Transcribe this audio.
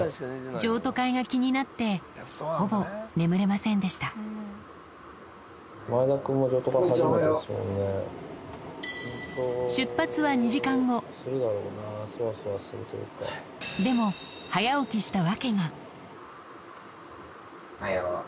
譲渡会が気になってほぼ眠れませんでした出発は２時間後でもおはよう。